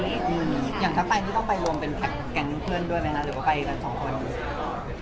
อย่างที่ต้องไปรวมเป็นแพ็คแกนเพื่อนด้วยไหมนะหรือก็ไปกัน๒คน